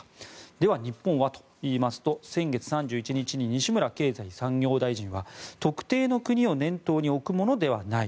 では日本はといいますと先月３１日に西村経済産業大臣は、特定の国を念頭に置くものではない。